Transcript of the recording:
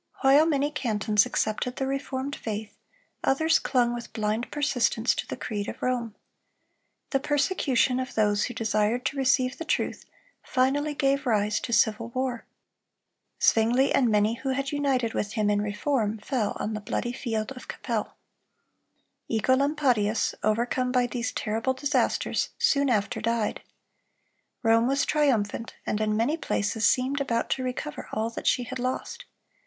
While many cantons accepted the reformed faith, others clung with blind persistence to the creed of Rome. Their persecution of those who desired to receive the truth, finally gave rise to civil war. Zwingle and many who had united with him in reform, fell on the bloody field of Cappel. Œcolampadius, overcome by these terrible disasters, soon after died. Rome was triumphant, and in many places seemed about to recover all that she had lost.